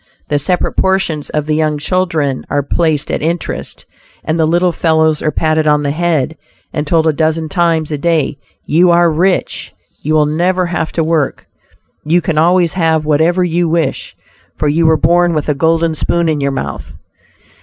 The separate portions of the young children are placed at interest, and the little fellows are patted on the head, and told a dozen times a day, "you are rich; you will never have to work, you can always have whatever you wish, for you were born with a golden spoon in your mouth."